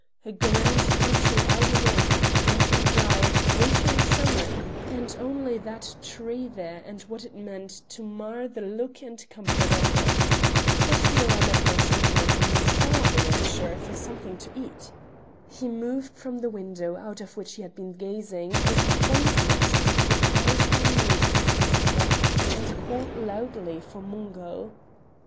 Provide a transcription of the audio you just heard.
A grand country out and in, wet and dry, winter and summer, and only that tree there and what it meant to mar the look and comfort of it. But here I'm at my sentiments and you starving, I am sure, for something to eat." He moved from the window out of which he had been gazing with a fondness that surprised and amused his visitor, and called loudly for Mungo.